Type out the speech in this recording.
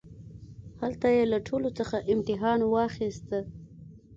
هلته يې له ټولوڅخه امتحان واخيست.